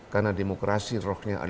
karena demokrasi rohnya